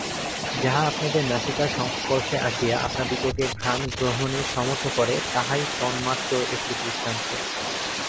যাহা আপনাদের নাসিকার সংস্পর্শে আসিয়া আপনাদিগকে ঘ্রাণ-গ্রহণে সমর্থ করে, তাহাই তন্মাত্রর একটি দৃষ্টান্ত।